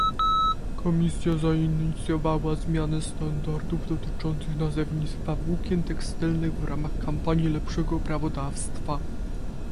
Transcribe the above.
Komisja zainicjowała zmianę standardów dotyczących nazewnictwa włókien tekstylnych w ramach kampanii "Lepszego prawodawstwa"